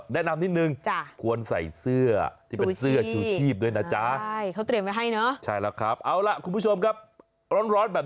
แนะนำนิดนึงควรใส่เสื้อชูชีฟท่วงสรุปด้วยนะแล้ว